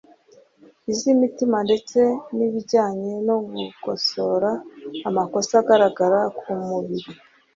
iz’imitima ndetse n’ibijyanye no gukosora amakosa agaragara ku mubiri